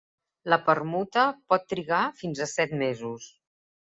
La permuta pot trigar fins a set mesos.